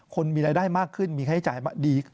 คนมีรายได้มากขึ้นมีค่าใช้จ่ายดี